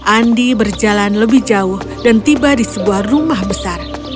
andi berjalan lebih jauh dan tiba di sebuah rumah besar